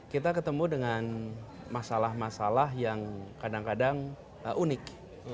kita ketemu dengan masalah masalah yang kadang kadang unik